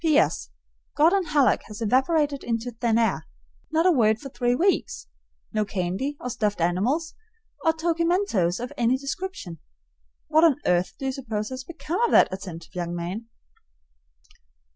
S. P.S. Gordon Hallock has evaporated into thin air. Not a word for three weeks; no candy or stuffed animals or tokimentoes of any description. What on earth do you suppose has become of that attentive young man?